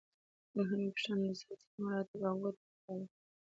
نهمه پوښتنه د سلسله مراتبو او ګټو په اړه ده.